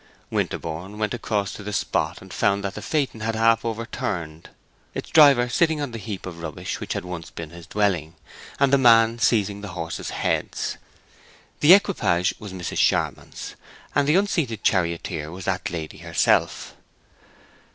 Winterborne went across to the spot, and found the phaeton half overturned, its driver sitting on the heap of rubbish which had once been his dwelling, and the man seizing the horses' heads. The equipage was Mrs. Charmond's, and the unseated charioteer that lady herself.